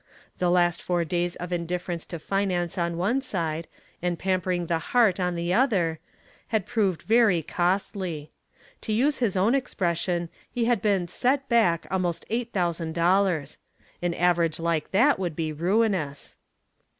The last four days of indifference to finance on one side, and pampering the heart on the other, had proved very costly. To use his own expression, he had been "set back" almost eight thousand dollars. An average like that would be ruinous.